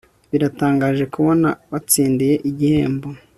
Biratangaje kubona watsindiye igihembo